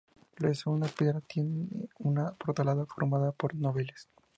Realizado en piedra, tiene una portalada formada por dovelas.